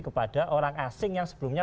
kepada orang asing yang sebelumnya